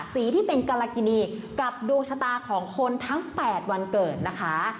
สีที่เป็นกรกินีกับดวงชะตาของคนทั้ง๘วันเกิดนะคะ